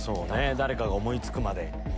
誰かが思い付くまで。